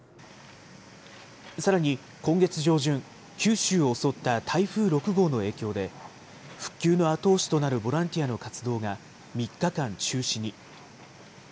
さらに今月上旬、九州を襲った台風６号の影響で、復旧の後押しとなるボランティアの活動が３日間中止に。